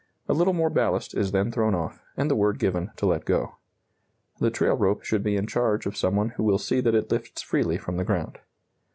A little more ballast is then thrown off, and the word given to let go. The trail rope should be in charge of some one who will see that it lifts freely from the ground.